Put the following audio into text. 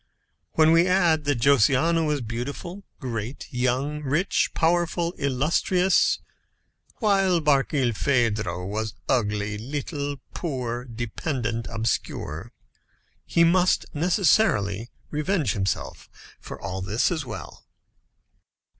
When we add that Josiana was beautiful, great, young, rich, powerful, illustrious, while Barkilphedro was ugly, little, old, poor, dependent, obscure, he must necessarily revenge himself for all this as well.